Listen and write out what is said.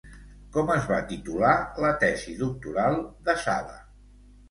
Com es va titular la tesi doctoral de Sala?